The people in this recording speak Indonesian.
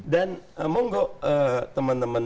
dan mau nggak teman teman